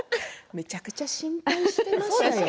めちゃくちゃ心配していましたよ。